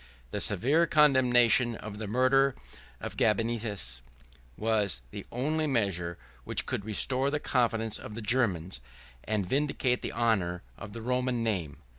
The severe condemnation of the murder of Gabinius, was the only measure which could restore the confidence of the Germans, and vindicate the honor of the Roman name.